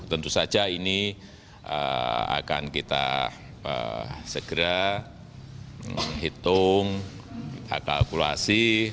tentu saja ini akan kita segera hitung kita kalkulasi